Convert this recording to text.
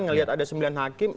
melihat ada sembilan hakim